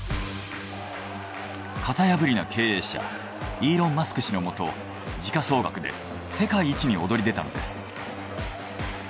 型破りな経営者イーロン・マスク氏のもと時価総額で世界一に躍り出たのです。